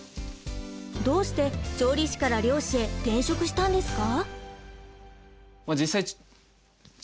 どうして調理師から漁師へ転職したんですか？